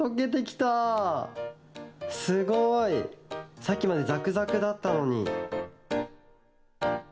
さっきまでザクザクだったのに。